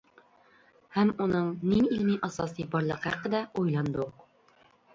ھەم ئۇنىڭ نېمە ئىلمىي ئاساسى بارلىقى ھەققىدە ئويلاندۇق.